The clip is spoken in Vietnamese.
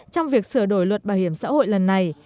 trong việc sửa đổi luật bảo hiểm xã hội lần này